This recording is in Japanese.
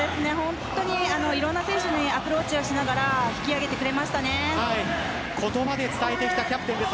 いろんな選手にアプローチしながら言葉で伝えてきたキャプテンです。